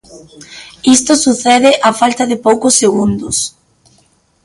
Isto sucede á falta de poucos segundos.